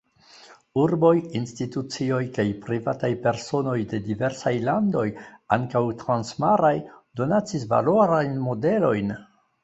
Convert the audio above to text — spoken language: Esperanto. Urboj, institucioj kaj privataj personoj de diversaj landoj, ankaŭ transmaraj, donacis valorajn modelojn.